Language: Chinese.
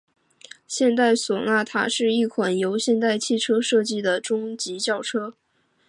现代索纳塔是一款由现代汽车设计的中级轿车。